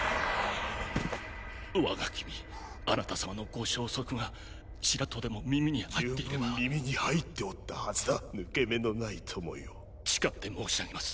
我が君あなた様のご消息がチラとでも耳に入っていれば十分耳に入っておったはずだ抜け目のない友よ誓って申し上げます